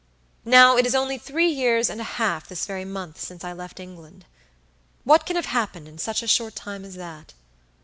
Now it is only three years and a half this very month since I left England. What can have happened in such a short time as that?"